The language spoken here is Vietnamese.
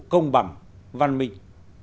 công bằng văn minh